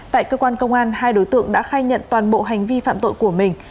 tại cơ quan công an hai đối tượng đã khai nhận toàn bộ hành vi phạm tội của mình